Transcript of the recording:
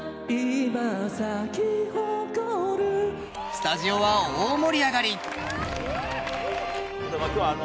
スタジオは大盛り上がり。